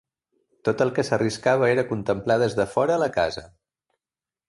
Tot el que s'arriscava era contemplar des de fora la casa